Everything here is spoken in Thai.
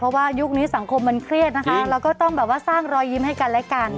เพราะว่ายุคนี้สังคมมันเครียดนะคะเราก็ต้องแบบว่าสร้างรอยยิ้มให้กันและกัน